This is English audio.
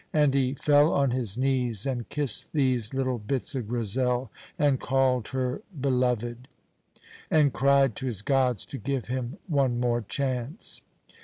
And he fell on his knees and kissed these little bits of Grizel, and called her "beloved," and cried to his gods to give him one more chance.